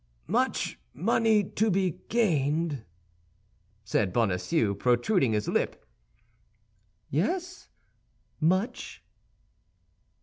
"Much money to be gained?" said Bonacieux, protruding his lip. "Yes, much."